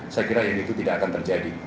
saya kira yang itu tidak akan terjadi